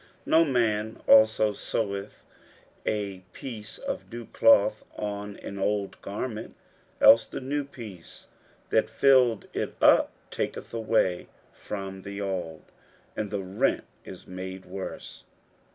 41:002:021 No man also seweth a piece of new cloth on an old garment: else the new piece that filled it up taketh away from the old, and the rent is made worse.